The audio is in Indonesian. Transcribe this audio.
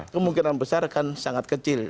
kemungkinan besar akan sangat kecil